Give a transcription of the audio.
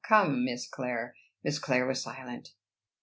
Come, Miss Clare." Miss Clare was silent.